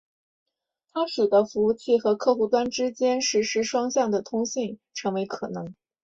它使得服务器和客户端之间实时双向的通信成为可能。